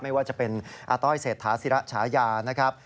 ไม่ว่าจะเป็นอาต้อยเศรษฐาศิระฉายานะครับ